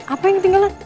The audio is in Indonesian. apa yang ketinggalan